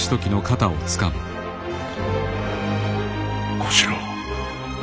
小四郎。